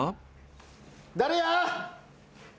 誰や！